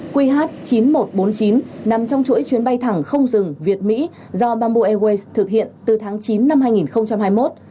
qh chín nghìn một trăm bốn mươi chín nằm trong chuỗi chuyến bay thẳng không dừng việt mỹ do bamboo airways thực hiện từ tháng chín năm hai nghìn hai mươi một